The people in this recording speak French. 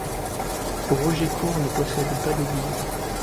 Rogécourt ne possède pas d'église.